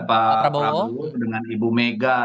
pak prabowo dengan ibu mega